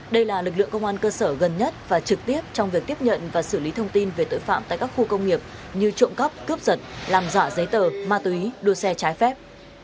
đây là lực lượng công an cơ sở gần nhất và trực tiếp trong việc tiếp nhận và xử lý thông tin về tội phạm tại các khu công nghiệp như trộm cắp cướp giật làm giả giấy tờ ma túy đua xe trái phép